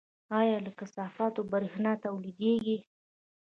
آیا له کثافاتو بریښنا تولیدیږي؟